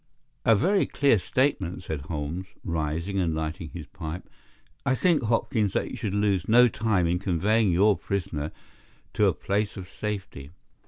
"A very clear statement said Holmes," rising and lighting his pipe. "I think, Hopkins, that you should lose no time in conveying your prisoner to a place of safety.